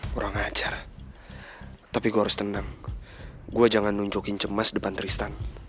kurang ajar tapi gue harus tenang gue jangan nunjukin cemas depan tristan